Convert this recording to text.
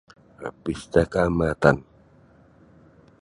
um Pesta kaamatan.